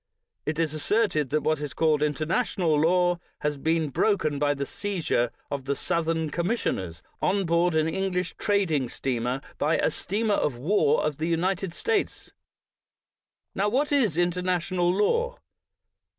It is asserted that what is called "inter national law" has been broken by the seizure of the Southern commissioners on board an Eng lish trading steamer by a steamer of war of the United States. Now, what is international law?